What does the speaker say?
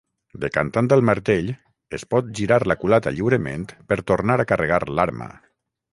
Decantant el martell, es pot girar la culata lliurement per tornar a carregar l"arma.